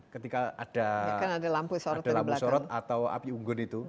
ketika ada lampu sorot atau api unggun itu